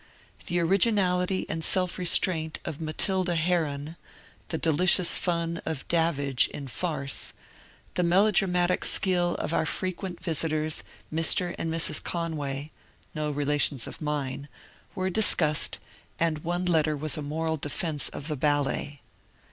The originality and self restraint of Matilda Heron, the delicious fun of Davidge in farce, the melodramatic skill of our frequent visitors, Mr. and Mrs. Conway (no relations of mine), were discussed, and one let ter was a moral defence of the ballet.